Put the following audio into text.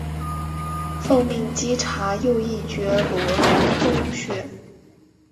奉命稽查右翼觉罗宗学。